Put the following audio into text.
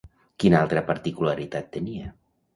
Quina altra particularitat tenia?